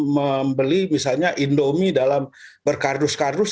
membeli misalnya indomie dalam berkarus karus